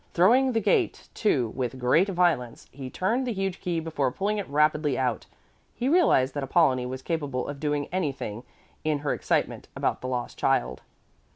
Throwing the gate to with great violence, he turned the huge key before pulling it rapidly out. He realized that Apollonie was capable of doing anything in her excitement about the lost child.